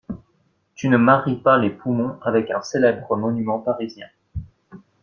Tu ne maries pas les poumons avec un célèbre monument parisien!